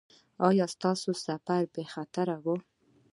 ایا ستاسو سفر بې خطره و؟